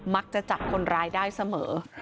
มักจะจับคนร้ายได้เสมอ